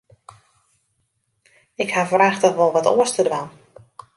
Ik haw wrachtich wol wat oars te dwaan.